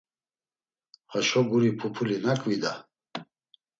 Haşo guri pupuli nak vida!